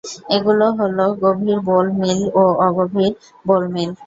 এগুলো হলো- গভীর বোল মিল ও অগভীর বোল মিল।